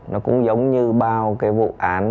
nó cũng giống như bao cái vụ án